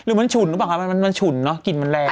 หรือมันฉุนมันฉุนเนอะกลิ่นมันแรง